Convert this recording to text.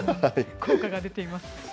効果が出ています。